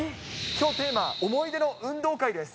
きょう、テーマは思い出の運動会です。